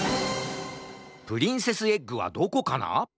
プリンセスエッグはどこかな？